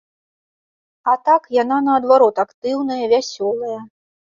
А так, яна наадварот актыўная, вясёлая.